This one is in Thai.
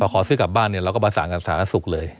พอขอซื้อกลับบ้านเนี่ยเราก็มาสั่งกับสถานศูกร์เลย